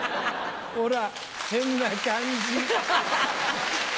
ほら変な感じ。